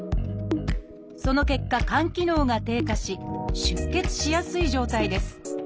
その結果肝機能が低下し出血しやすい状態です。